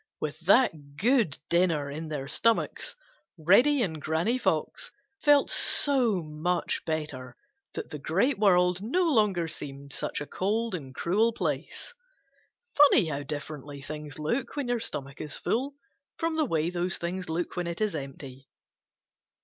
With that good dinner in their stomachs, Reddy and Granny Fox felt so much better that the Great World no longer seemed such a cold and cruel place. Funny how differently things look when your stomach is full from the way those same things look when it is empty.